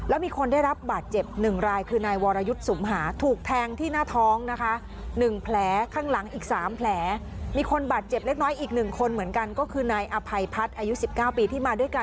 อายุ๑๙ปีที่มาด้วยกันกับนายวรรวุฒน์นี่แหละค่ะ